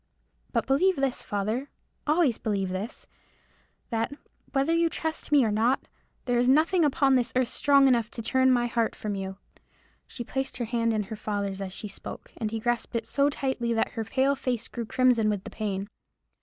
But believe this, father,—always believe this,—that, whether you trust me or not, there is nothing upon this earth strong enough to turn my heart from you." She placed her hand in her father's as she spoke, and he grasped it so tightly that her pale face grew crimson with the pain.